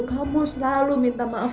kamu selalu minta maaf